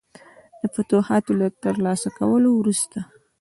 د فتوحاتو له ترلاسه کولو وروسته.